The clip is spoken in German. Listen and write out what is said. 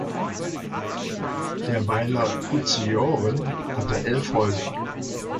Der Weiler Kuzioren hatte elf Häuser.